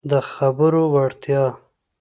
د خبرو وړتیا